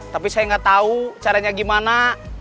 tapi saya nggak tahu caranya gimana